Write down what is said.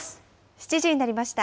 ７時になりました。